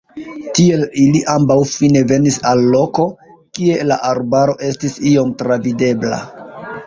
Tiel ili ambaŭ fine venis al loko, kie la arbaro estis iom travidebla.